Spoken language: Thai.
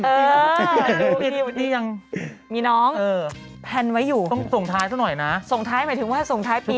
อันนี้ยังมีน้องแพลนไว้อยู่ต้องส่งท้ายซะหน่อยนะส่งท้ายหมายถึงว่าส่งท้ายปี